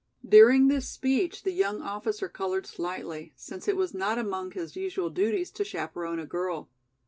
During this speech the young officer colored slightly, since it was not among his usual duties to chaperon a girl.